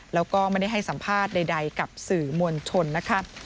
แล้วก็ไม่ได้ให้สัมภาษณ์ใดกับสื่อมวลชนนะคะ